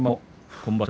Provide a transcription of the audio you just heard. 今場所